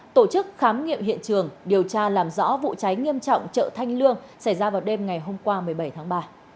tổ chức khám nghiệm hiện trường điều tra làm rõ vụ cháy nghiêm trọng chợ thanh lương xảy ra vào đêm ngày hôm qua một mươi bảy tháng ba